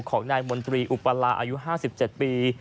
ของนายมนตรีอุปราอายุ๕๗ปี